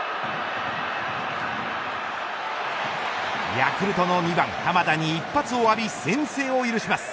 ヤクルトの２番濱田に一発を浴び先制を許します。